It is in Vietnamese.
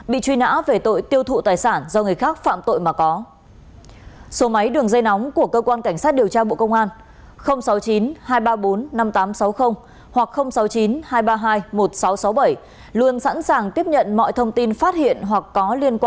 bị truy nã về tội hiếp dâm trẻ em